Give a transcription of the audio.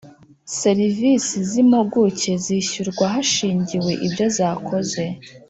serivisi z impuguke zishyurwa hashingiwe ibyo zakoze